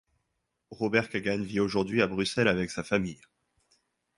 Robert Kagan vit aujourd'hui à Bruxelles avec sa famille.